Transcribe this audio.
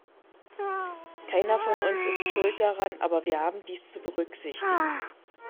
Keiner von uns ist schuld daran, aber wir haben dies zu berücksichtigen.